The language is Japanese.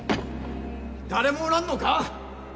誰もおらんのか！？